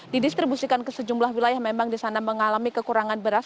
didistribusikan ke sejumlah wilayah memang di sana mengalami kekurangan beras